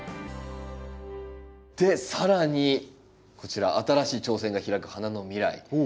で更にこちら「新しい挑戦が拓く花の未来」。